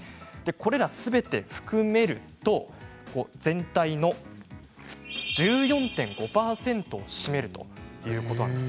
これらをすべて含めると全体の１４．５％を占めるということなんです